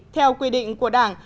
theo quy định của đảng